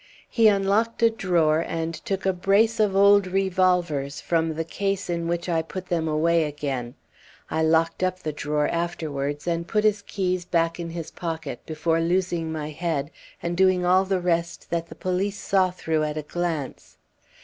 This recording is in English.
He unlocked a drawer and took a brace of old revolvers from the case in which I put them away again. I locked up the drawer afterwards, and put his keys back in his pocket, before losing my head and doing all the rest that the police saw through at a glance.